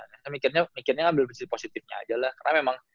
saya mikirnya mikirnya ngambil positifnya aja lah karena memang